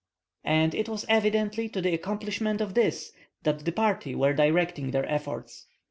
And it was evidently to the accomplishment of this that the party were directing their efforts.